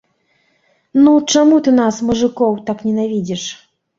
Ну чаму ты нас, мужыкоў, так ненавідзіш?